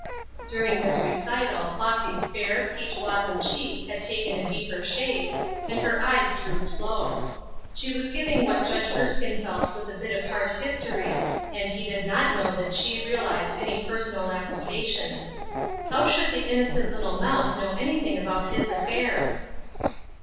During this recital Flossy's fair, peach blossom cheek had taken a deeper shade, and her eyes drooped low. She was giving what Judge Erskine felt was a bit of heart history, and he did not know that she realized any personal ap plication. How should the innocent little mouse know anything about his affairs